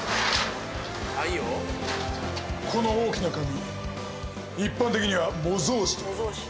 この大きな紙一般的には模造紙と言う。